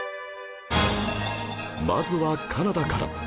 まずはカナダから